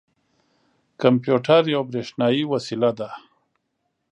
کمپیوټر یوه بریښنايې وسیله ده.